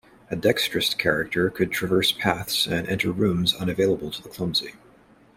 A dexterous character could traverse paths and enter rooms unavailable to the clumsy.